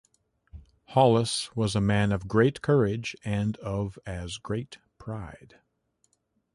Holles was a man of great courage and of as great pride...